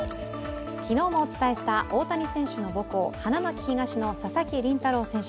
昨日もお伝えした大谷選手の母校、花巻東の佐々木麟太郎選手。